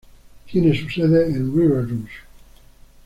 Tiene su sede en River Rouge.